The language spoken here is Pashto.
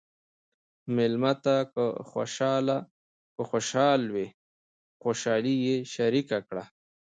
مېلمه ته که خوشحال وي، خوشالي یې شریکه کړه.